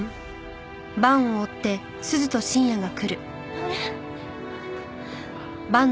あれ？